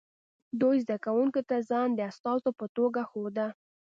دوی زده کوونکو ته ځان د استازو په توګه ښوده